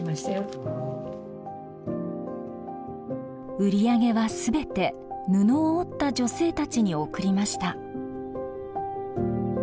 売り上げは全て布を織った女性たちに送りました。